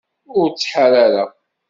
Ur ttḥar ara